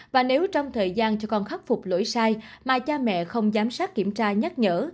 và nếu trong thời gian cho con khắc phục lỗi sai mà cha mẹ không giám sát kiểm tra nhắc nhở